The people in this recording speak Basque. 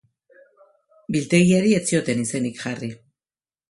Biltegiari ez zioten izenik jarri.